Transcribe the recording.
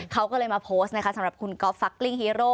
เขาก็เลยมาโพสต์นะคะสำหรับคุณก๊อฟฟักกลิ้งฮีโร่